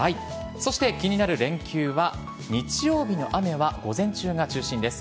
そして、気になる連休は日曜日の雨は午前中が中心です。